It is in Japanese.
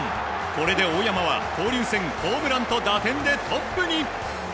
これで大山は交流戦ホームランと打点でトップに。